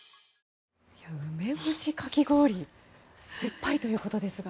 梅干しかき氷酸っぱいということですが。